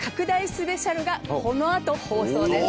スペシャルがこのあと放送です。